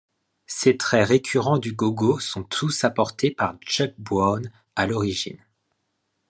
Ces traits récurrents du go-go sont tous apportés par Chuck Brown à l’origine.